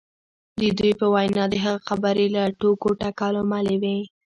د دوی په وینا د هغه خبرې له ټوکو ټکالو ملې وې